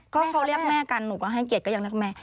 ก็เขาเรียกแม่กันหนูก็ให้เกียรติก็ยังเรียกแม่